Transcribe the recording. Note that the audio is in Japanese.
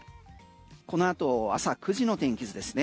このあと朝９時の天気図ですね。